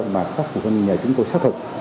mà các phụ huynh nhà chúng tôi xác thực